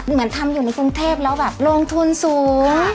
เหมือนทำอยู่ในกรุงเทพแล้วแบบลงทุนสูง